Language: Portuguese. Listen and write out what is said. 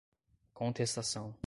contestação